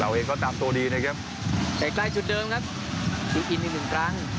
เราเองก็ตามตัวดีนะครับแต่ใกล้จุดเดิมครับถึงอีกหนึ่งหนึ่งกลาง